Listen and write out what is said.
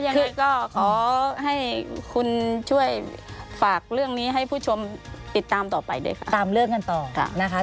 แล้วยังไงก็ขอให้คุณช่วยฝากเรื่องนี้ให้ผู้ชมติดตามต่อไปด้วยค่ะ